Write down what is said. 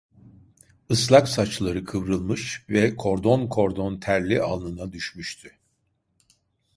Islak saçları kıvrılmış ve kordon kordon terli alnına düşmüştü.